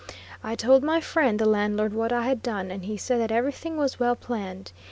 I told my friend, the landlord, what I had done, and he said that everything was well planned.